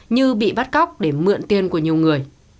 như bị bắt cóc để mượn tiền của nhiều người